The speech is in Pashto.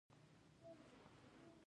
صلبیه، قرنیه او د لیدلو عصب مشاهده کړئ.